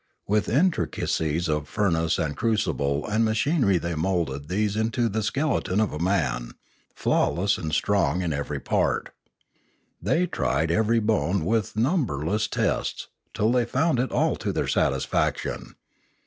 With intricacies of furnace and crucible and machinery they moulded these into the skeleton of a man, flawless and strong in every part. They tried every bone with numberless tests, till they found it all to their satisfaction.